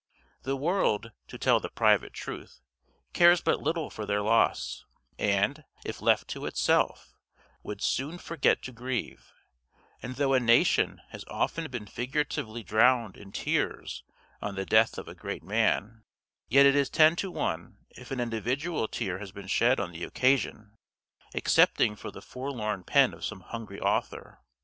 The world, to tell the private truth, cares but little for their loss, and, if left to itself, would soon forget to grieve; and though a nation has often been figuratively drowned in tears on the death of a great man, yet it is ten to one if an individual tear has been shed on the occasion, excepting from the forlorn pen of some hungry author.